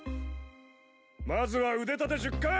まずは腕立て１０回！